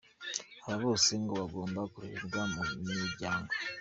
Aba bose ngo bagomba kurererwa mu miryango.